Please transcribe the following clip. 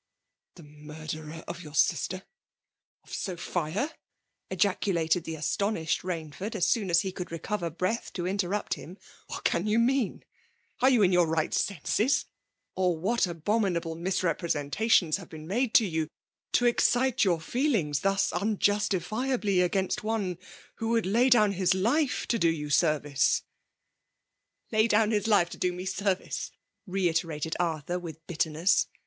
" The murderer of your sister, — of Sophia T ejaculated the astonished Bainsford, as soon as he could recover breath to interrupt hinu '' What can you mean? Are you in your right senses ? Or what abominable misrepre^ scntations have been made yoii, to excite your feelings thus unjustifiably against one who would lay down his life to do you service T FEMALE DOMINATION. 191 '* Lay down his life to do me service V* reiterated Arthur with bitterness.